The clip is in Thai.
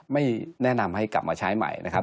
ไม่แนะนำให้กลับมาใช้ใหม่นะครับ